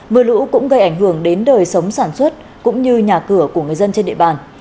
trong khi đó mưa lũ cũng gây ảnh hưởng đến đời sống sản xuất cũng như nhà cửa của người dân trên địa bàn